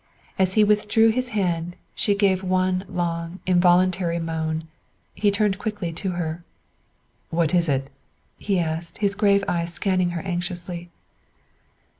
As he withdrew his hand, she gave one long, involuntary moan. He turned quickly to her. "What is it?" he asked, his grave eyes scanning her anxiously.